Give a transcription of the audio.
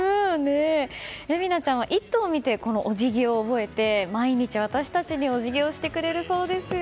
咲愛ちゃんは「イット！」を見てこのお辞儀を覚えて毎日私たちにお辞儀をしてくれるそうですよ。